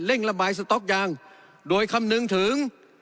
ระบายสต๊อกยางโดยคำนึงถึง